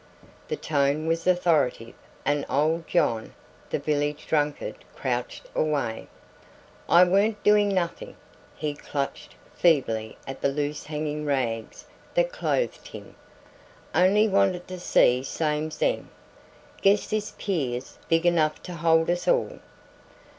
The tone was authoritative and old John, the village drunkard, crouched away. "I warn't doin' nothin'," he clutched feebly at the loose hanging rags that clothed him, "only wanted to see same's them. Guess this pier's big enough to hold us all."